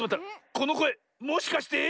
このこえもしかして。